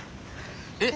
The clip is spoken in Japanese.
えっ？